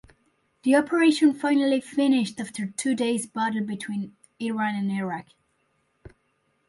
The operation finally finished after two days battle between Iran and Iraq.